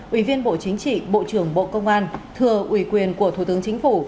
ủy viên bộ chính trị bộ trưởng bộ công an thừa ủy quyền của thủ tướng chính phủ